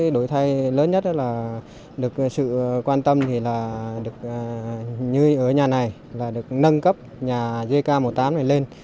đổi thay lớn nhất là được sự quan tâm như ở nhà này được nâng cấp nhà dk một mươi tám này lên